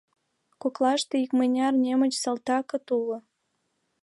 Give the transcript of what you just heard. Коклаште икмыняр немыч салтакат уло.